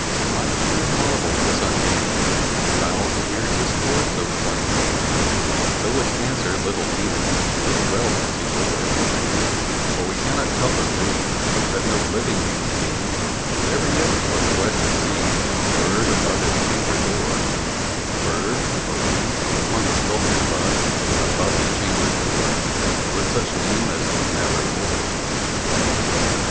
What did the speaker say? Much I marvelled this ungainly fowl to hear discourse so plainly, Though its answer little meaning little relevancy bore; For we cannot help agreeing that no living human being Ever yet was blessed with seeing bird above his chamber door Bird or beast upon the sculptured bust above his chamber door, With such name as "Nevermore."